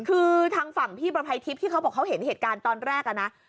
คือทางฝั่งพี่ประภัยทิพย์ที่เขาบอกเขาเห็นเหตุการณ์ตอนแรกอะนะ